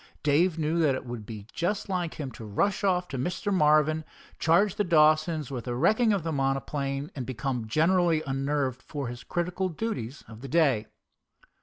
Dave knew that it would be just like him to rush off to Mr. Marvin, charge the Dawsons with the wrecking of his monoplane, and become generally unnerved for his critical duties of the day.